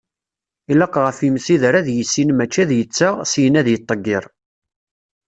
Ilaq ɣef yimsider ad yissin mačči ad d-yettaɣ, syin ad yettḍeggir.